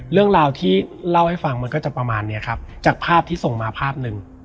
เรื่องราวที่เล่าให้ฟังมันก็จะประมาณเนี้ยครับจากภาพที่ส่งมาภาพหนึ่ง